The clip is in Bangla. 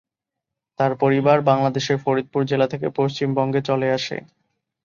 তার পরিবার বাংলাদেশের ফরিদপুর জেলা থেকে পশ্চিমবঙ্গে চলে আসে।